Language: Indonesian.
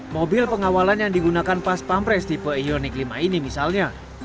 mobil pengawalan yang digunakan pas pampres tipe ionik lima ini misalnya